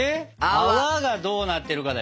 泡がどうなってるかだよね。